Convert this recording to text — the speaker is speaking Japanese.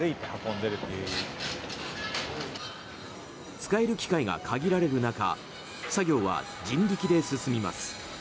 使える機械が限られる中作業は人力で進みます。